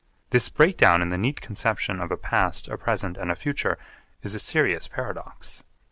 This break down in the neat conception of a past, a present, and a future is a serious paradox.